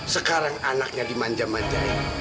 sekarang anaknya dimanjam manjain